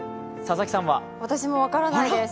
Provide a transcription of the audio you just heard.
私も分からないです。